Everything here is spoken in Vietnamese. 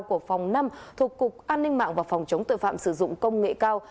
của phòng năm thuộc cục an ninh mạng và phòng chống tội phạm sử dụng công nghệ cao